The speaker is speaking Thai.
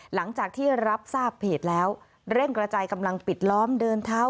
หลังจากที่รับทราบเพจแล้วเร่งกระจายกำลังปิดล้อมเดินเท้า